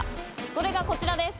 それがこちらです。